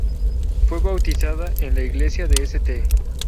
Fue bautizada en la iglesia de St.